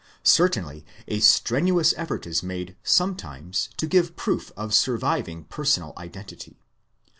Certainly a strenuous effort is made sometimes to give proof of surviving personal identity.